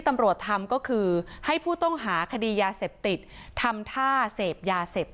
ตำรวจทำก็คือให้ผู้ต้องหาคดียาเสพติดทำท่าเสพยาเสพ